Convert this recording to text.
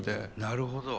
なるほど。